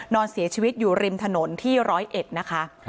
นอนเสียชีวิตอยู่ริมถนนที่๑๐๑นะคะ